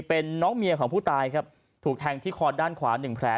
เป็นน้องเมียของผู้ตายครับถูกแทงที่คอด้านขวาหนึ่งแผล